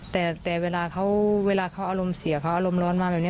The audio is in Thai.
แต่เวลาเขาเวลาเขาอารมณ์เสียเขาอารมณ์ร้อนมาแบบนี้